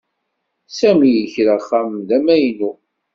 Sami yekra axxam d amaynu.